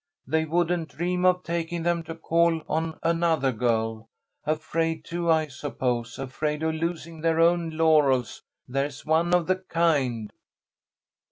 They wouldn't dream of taking them to call on another girl. Afraid to, I suppose. Afraid of losing their own laurels. There's one of the kind."